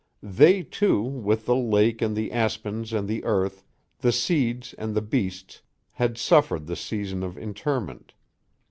They, too, with the lake and the aspens and the earth, the seeds and the beasts, had suffered the season of interment.